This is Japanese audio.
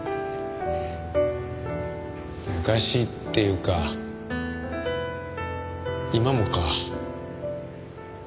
昔っていうか今もか。